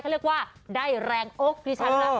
คุณะโมคุ